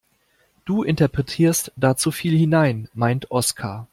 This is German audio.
Du interpretierst da zu viel hinein, meint Oskar.